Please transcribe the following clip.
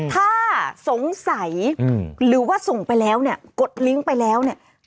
ถ้าสงสัยหรือว่าส่งไปแล้วเนี่ยกดลิงก์ไปแล้วเนี่ย